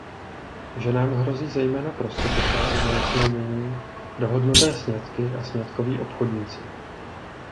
Ženám hrozí zejména prostituce, znásilnění, dohodnuté sňatky a sňatkoví obchodníci.